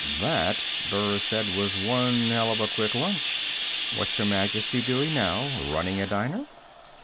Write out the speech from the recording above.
"That," Burris said, "was one hell of a quick lunch. What's Her Majesty doing now running a diner?"